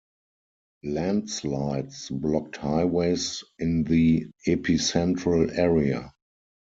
Landslides blocked highways in the epicentral area.